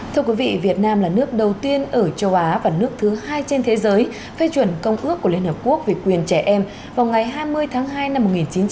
thưa quý vị việt nam là nước đầu tiên ở châu á và nước thứ hai trên thế giới phê chuẩn công ước của liên hợp quốc về quyền trẻ em vào ngày hai mươi tháng hai năm một nghìn chín trăm tám mươi